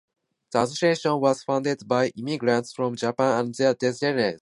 The Association was founded by immigrants from Japan and their descendants.